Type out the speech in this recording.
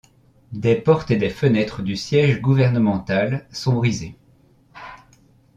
Des portes et des fenêtres du siège gouvernemental sont brisées.